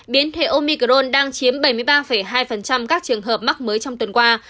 biến thể omicrone đang chiếm bảy mươi ba hai các trường hợp mắc mới trong tuần qua